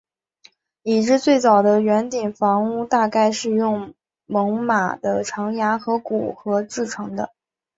已知最早的圆顶房屋大概是用猛犸的长牙和骨骼制成的。